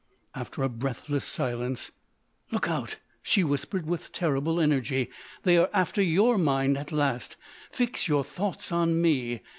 After a breathless silence: "Look out!" she whispered with terrible energy; "they are after your mind at last. Fix your thoughts on me!